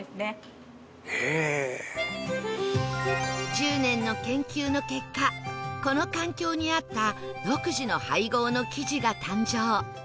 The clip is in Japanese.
１０年の研究の結果この環境に合った独自の配合の生地が誕生